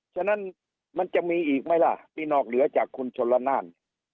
ฉะนั้นมันจะมีอีกไหมล่ะที่นอกเหนือจากคุณชนละนาน